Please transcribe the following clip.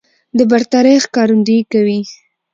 د برترۍ ښکارندويي کوي